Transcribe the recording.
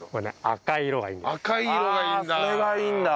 赤い色がいいんだ。